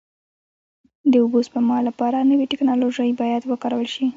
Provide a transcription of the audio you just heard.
د اوبو سپما لپاره نوې ټکنالوژۍ باید وکارول شي.